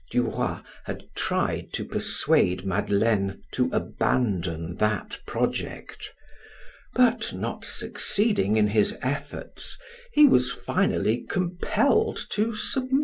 Duroy had tried to persuade Madeleine to abandon that project, but not succeeding in his efforts he was finally compelled to submit.